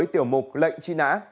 tiểu mục lệnh truy nã